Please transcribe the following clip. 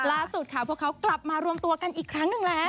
ล่าสุดค่ะพวกเขากลับมารวมตัวกันอีกครั้งหนึ่งแล้ว